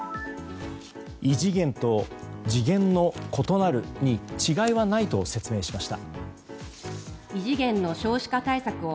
異次元と次元の異なるに違いはないと説明しました。